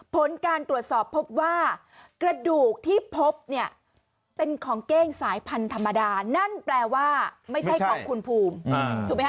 ผลการตรวจสอบพบว่ากระดูกที่พบเนี่ยเป็นของเก้งสายพันธุ์ธรรมดานั่นแปลว่าไม่ใช่ของคุณภูมิถูกไหมฮ